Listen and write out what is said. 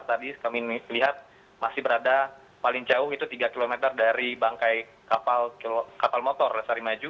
tadi kami lihat masih berada paling jauh itu tiga km dari bangkai kapal motor lestari maju